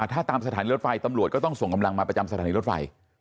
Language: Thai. ถ้าตามสถานีรถไฟตำรวจก็ต้องส่งกำลังมาประจำสถานีรถไฟ